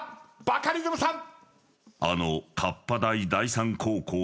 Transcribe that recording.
バカリズムさん。